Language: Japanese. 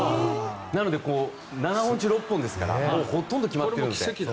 なので、７本中６本ですから。ほとんど決まってるので。